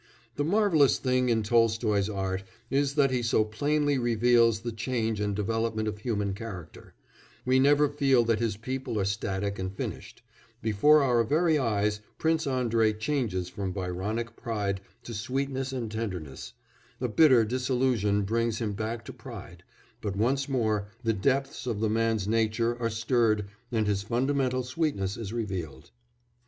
The marvellous thing in Tolstoy's art is that he so plainly reveals the change and development of human character; we never feel that his people are static and finished; before our very eyes Prince Andrei changes from Byronic pride to sweetness and tenderness, a bitter disillusion brings him back to pride, but, once more, the depths of the man's nature are stirred and his fundamental sweetness is revealed.